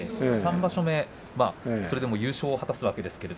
３場所目、それでも優勝を果たしました。